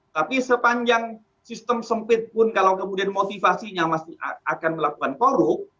tapi sepanjang sistem sempit pun kalau kemudian motivasinya masih akan melakukan korup